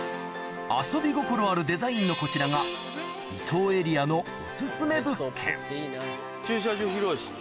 遊び心あるデザインのこちらが伊東エリアの駐車場広いし。